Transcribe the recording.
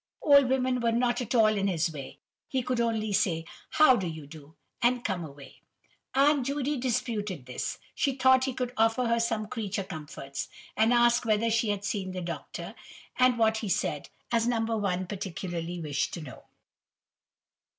Old women were not at all in his way. He could only say, how do you do? and come away. Aunt Judy disputed this: she thought he could offer her some creature comforts, and ask whether she had seen the Doctor, and what he said, as No. 1 particularly wished to know.